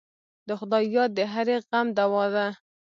د خدای یاد د هرې غم دوا ده.